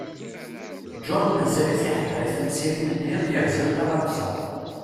John mazal-t iḥeddeṛ i temsirin n yiḍ yerzan taɣamsa.